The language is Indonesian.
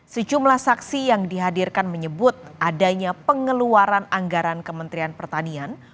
sejumlah saksi yang dihadirkan menyebut adanya pengeluaran anggaran kementerian pertanian